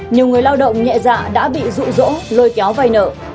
nhiều người lao động nhẹ dạ đã bị rụ rỗ lôi kéo vay nợ